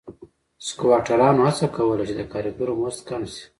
سکواټورانو هڅه کوله چې د کارګرو مزد کم شي.